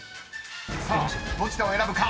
［さあどちらを選ぶか？